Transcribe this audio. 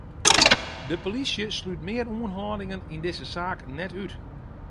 De polysje slút mear oanhâldingen yn dizze saak net út.